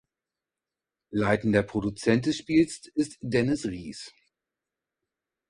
Leitender Produzent des Spiels ist Dennis Ries.